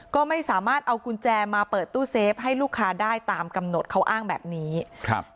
ก็ไม่สามารถเอากุญแจมาเปิดตู้เซฟให้ลูกค้าได้ตามกำหนดเขาอ้างแบบนี้ครับ